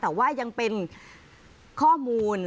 แต่ว่ายังเป็นข้อมูล